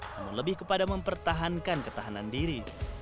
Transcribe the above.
namun lebih kepada mempertahankan ketahanan diri